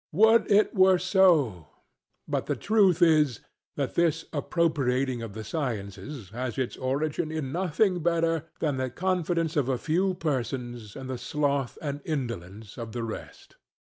Would it were so! But the truth is that this appropriating of the sciences has its origin in nothing better than the confidence of a few persons and the sloth and indolence of the rest.